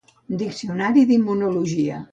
Diccionari d'immunologia